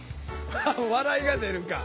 笑いが出るか。